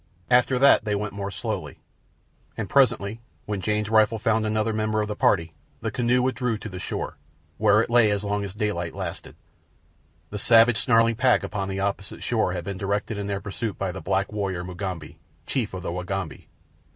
After that they went more slowly, and presently, when Jane's rifle had found another member of the party, the canoe withdrew to the shore, where it lay as long as daylight lasted. The savage, snarling pack upon the opposite shore had been directed in their pursuit by the black warrior, Mugambi, chief of the Wagambi.